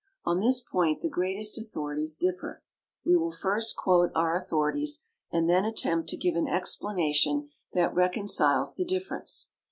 On this point the greatest authorities differ. We will first quote our authorities, and then attempt to give an explanation that reconciles the difference.